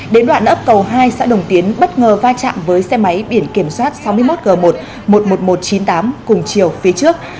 đến đoạn ấp cầu hai xã đồng tiến bất ngờ va chạm với xe máy biển kiểm soát sáu mươi một g một một mươi một nghìn một trăm chín mươi tám cùng chiều phía trước